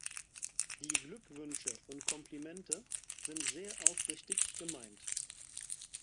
Die Glückwünsche und Komplimente sind sehr aufrichtig gemeint.